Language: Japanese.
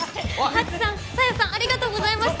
ハチさん小夜さんありがとうございました